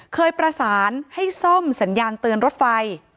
เคยประสานให้ซ่อมสัญญาณเตือนรถไฟ